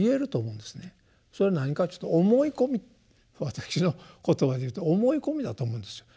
それ何かというと私の言葉で言うと「思い込み」だと思うんですよ。